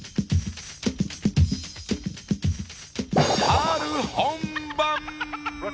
春本番！